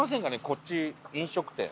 こっち飲食店。